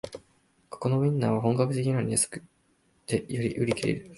ここのウインナーは本格的なのに安くてよく売り切れる